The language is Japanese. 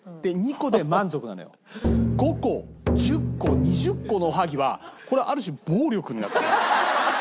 ５個１０個２０個のおはぎはこれある種暴力になってくる。